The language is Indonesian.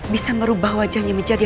bisa merubah wajahnya menjadi